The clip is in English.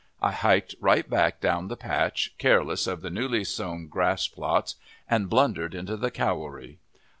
I hiked right back down the patch, careless of the newly sown grass plots, and blundered into the cowary.